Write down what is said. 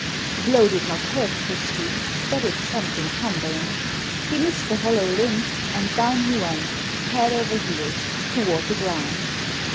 The blow did not hurt Frisky. But it sent him tumbling. He missed the hollow limb, and down he went, head over heels, toward the ground.